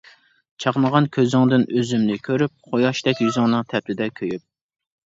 چاقنىغان كۆزۈڭدىن ئۆزۈمنى كۆرۈپ، قۇياشتەك يۈزۈڭنىڭ تەپتىدە كۆيۈپ.